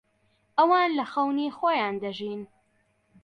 ئەوان لە خەونی خۆیان دەژین.